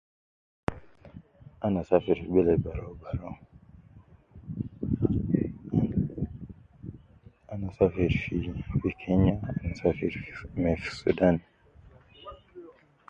Ana safir fi bele barau barau, ana safir fi, fi kenya, ana safir me fi sudan